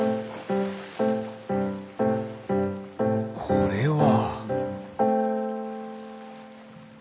これは。